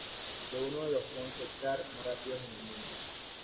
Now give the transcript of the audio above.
Fue uno de los concept cars más rápidos en el mundo.